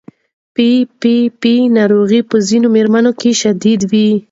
پي پي پي ناروغي په ځینو مېرمنو کې شدید وي.